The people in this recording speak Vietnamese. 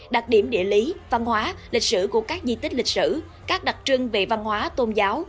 đặc điểm địa lý văn hóa lịch sử của các di tích lịch sử các đặc trưng về văn hóa tôn giáo